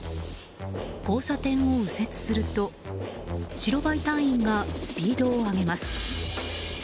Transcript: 交差点を右折すると白バイ隊員がスピードを上げます。